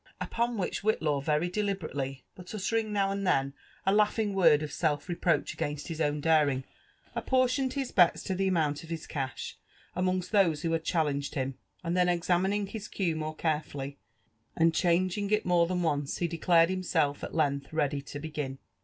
Upop which Whitiaw very, delibe rately, but uttering now and then a faughing word of self reproach against his own daring, apportioned his bets to the amount of his cash, amongst those who had challenged him ; and then, examining his cue more carefully^ and changing it more than once, he declared himaeif at length ready to begin.